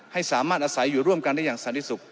ให้สามารถอาศัยอยู่ร่วมกันได้อย่างสันติสุข